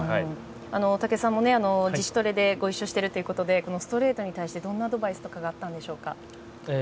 大竹さんも自主トレでご一緒しているということでストレートに対してどんなアドバイスがあったんでしょうか。